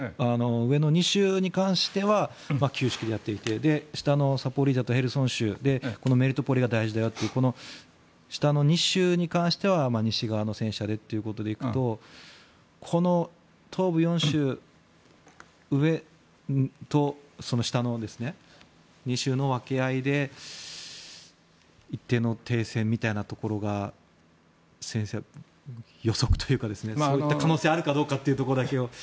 上の２州に関しては旧式でやっていて下のザポリージャとヘルソン州メリトポリが大事だよというこの下の２州に関しては西側の戦車でということでいくとこの東部４州上と下の２州の分け合いで一定の停戦みたいなところが先制、予測というかそういった可能性があるかどうかというところだけを。